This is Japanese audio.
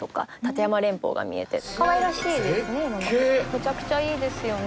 めちゃくちゃいいですよね。